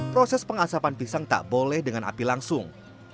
proses pengasapan pisang tak boleh dengan api langsung